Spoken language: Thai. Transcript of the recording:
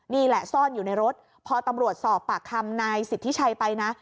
นี่แหละซ่อนอยู่ในรถพอตำรวจสอบปากคำนายสิทธิชัยไปนะ